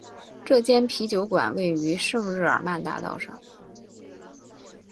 这间啤酒馆位于圣日耳曼大道上。